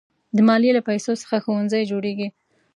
د مالیې له پیسو څخه ښوونځي جوړېږي.